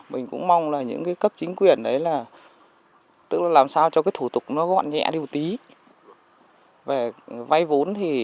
mình cũng mong là những cấp chính quyền đấy là làm sao cho cái thủ tục nó gọn nhẹ đi một tí